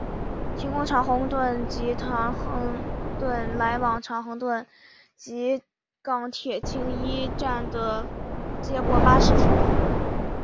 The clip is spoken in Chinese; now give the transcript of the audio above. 提供长宏邨及长亨邨来往长安邨及港铁青衣站的接驳巴士服务。